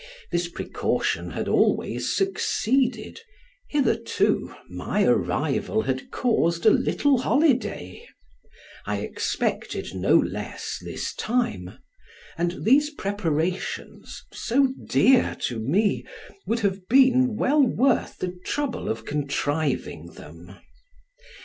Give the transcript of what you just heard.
This precaution had always succeeded; hitherto my arrival had caused a little holiday; I expected no less this time, and these preparations, so dear to me, would have been well worth the trouble of contriving them.